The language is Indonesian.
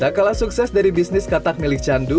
tak kalah sukses dari bisnis katak milik candu